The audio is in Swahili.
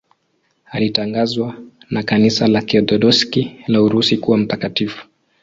Alitangazwa na Kanisa la Kiorthodoksi la Urusi kuwa mtakatifu.